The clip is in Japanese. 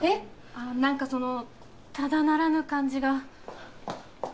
あ何かそのただならぬ感じが。